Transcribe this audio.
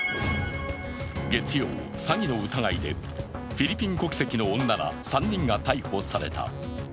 月曜、詐欺の疑いでフィリピン国籍の女ら３人が逮捕された。